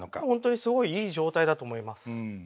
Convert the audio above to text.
本当にすごいいい状態だと思います。